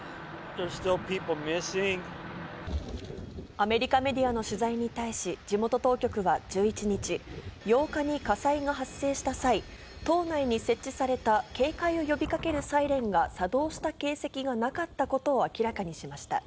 アメリカメディアの取材に対し、地元当局は１１日、８日に火災が発生した際、島内に設置された警戒を呼びかけるサイレンが作動した形跡がなかったことを明らかにしました。